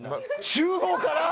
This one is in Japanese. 集合から！？